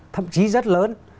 thậm chí rất lớn